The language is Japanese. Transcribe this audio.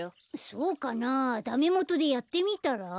そうかなあダメもとでやってみたら？